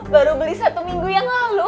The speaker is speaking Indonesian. baru beli satu minggu yang lalu